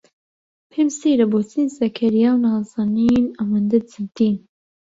پێم سەیرە بۆچی زەکەریا و نازەنین ئەوەندە جددین.